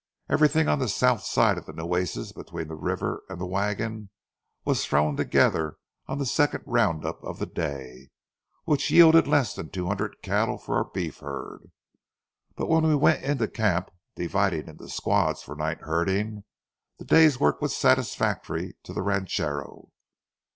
Everything on the south side of the Nueces between the river and the wagon was thrown together on the second round up of the day, which yielded less than two hundred cattle for our beef herd. But when we went into camp, dividing into squads for night herding, the day's work was satisfactory to the ranchero.